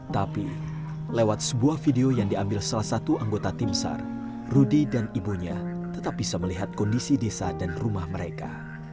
tapi lewat sebuah video yang diambil salah satu anggota tim sar rudy dan ibunya tetap bisa melihat kondisi desa dan rumah mereka